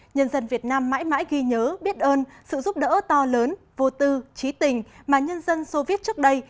nhân dân việt nam mãi mãi ghi nhớ biết ơn sự giúp đỡ to lớn vô tư trí tình mà nhân dân soviet trước đây